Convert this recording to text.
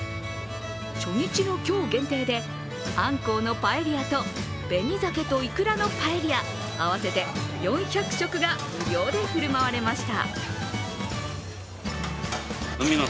初日の今日限定で、アンコウのパエリアと紅ザケとイクラのパエリア、合わせて４００食が無料で振る舞われました。